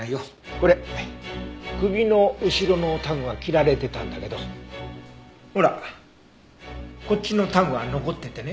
これ首の後ろのタグは切られてたんだけどほらこっちのタグは残っててね。